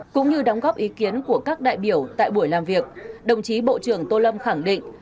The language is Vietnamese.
cũng như đóng góp ý kiến của các đại biểu tại buổi làm việc đồng chí bộ trưởng tô lâm khẳng định